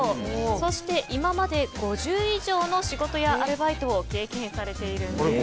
そして、今まで５０以上の仕事やアルバイトを経験されているんです。